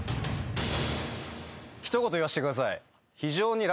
一言言わせてください。